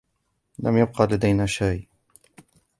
لم يبقى لدينا شاي.